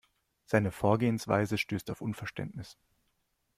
Seine Vorgehensweise stößt auf Unverständnis.